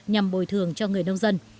nhằm bồi thường cho người nông dân